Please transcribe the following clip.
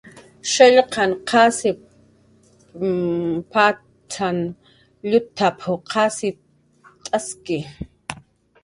"Shallqaq qasip patzan llutap"" qasipt'aski"